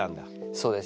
そうです。